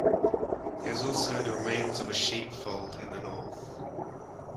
There is also the remains of a sheep fold in the north.